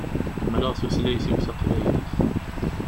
Ḥemmleɣ tutlayt-iw taqbaylit.